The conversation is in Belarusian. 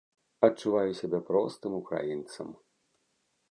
Адчуваю сябе простым украінцам.